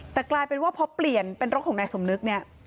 แต่กลายเป็นว่าพอเปลี่ยนเป็นรถของนายสมนึกเนี่ย